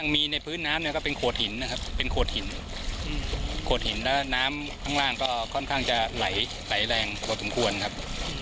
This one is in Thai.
มีในพื้นน้ำเนี่ยก็เป็นโขดหินนะครับเป็นโขดหินโขดหินแล้วน้ำข้างล่างก็ค่อนข้างจะไหลแรงพอสมควรครับ